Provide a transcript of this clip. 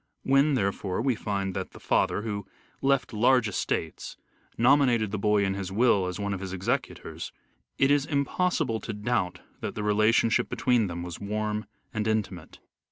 When, therefore, we find that the father, who left large estates, nominated the boy in his will as one of his executors, it is impossible to doubt that the relationship between them was warm and intimate.